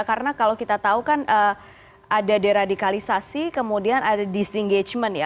karena kalau kita tahu kan ada deradikalisasi kemudian ada disengajement ya